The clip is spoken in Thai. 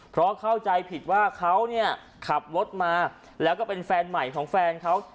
เพราะเข้าใจผิดว่าเขาเนี่ยขับรถมาแล้วก็เป็นแฟนใหม่ของแฟนเขา